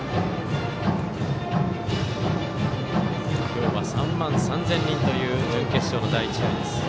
今日は３万３０００人という準決勝の第１試合です。